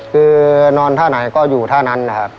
คือนอนท่าไหนก็อยู่ท่านั้นนะครับ